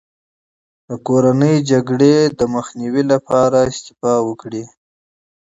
د کورنۍ جګړې د مخنیوي لپاره استعفا وکړي.